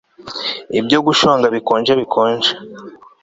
Ibyo gushonga bikonjebikonje